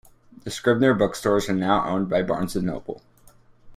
The Scribner Bookstores are now owned by Barnes and Noble.